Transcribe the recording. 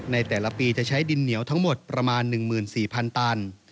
ในแต่ละปีจะใช้ดินเหนียวทั้งหมดประมาณ๑๔๐๐๐ตัน